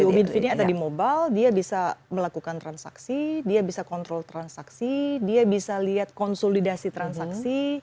biomid feednya ada di mobile dia bisa melakukan transaksi dia bisa kontrol transaksi dia bisa lihat konsolidasi transaksi